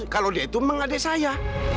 kalau dia itu memang adik saya